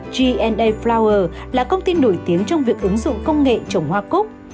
g a flower là công ty nổi tiếng trong việc ứng dụng công nghệ trồng hoa cúc